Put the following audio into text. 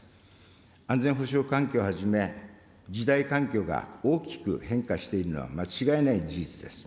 安全保障環境をはじめ、時代環境が大きく変化しているのは間違いない事実です。